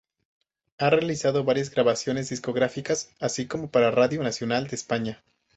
Ha realizado varias grabaciones discográficas, así como para Radio Nacional de España.